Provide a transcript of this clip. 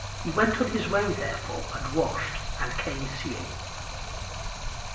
"He went his way, therefore, and washed, and came seeing."